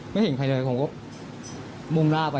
ไม่เห็นใครเลยผมก็ไม่รู้ว่าเป็นใครผมก็เลยตามไป